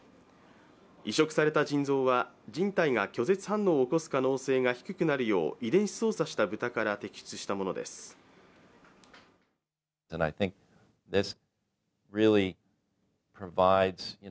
移殖された腎臓は人体が拒絶反応を起こす可能性が低くなるよう遺伝子操作した豚から摘出したものです。